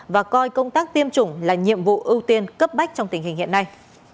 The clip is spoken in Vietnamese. và coi công tác tiêm chủng là nhiệm vụ ưu tiên cấp bách trong tình hình hiện nay